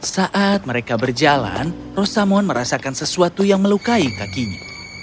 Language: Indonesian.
saat mereka berjalan rosamon merasakan sesuatu yang melukai kakinya